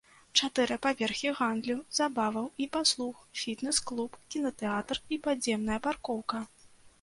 Чатыры паверхі гандлю, забаваў і паслуг, фітнэс-клуб, кінатэатр і падземная паркоўка.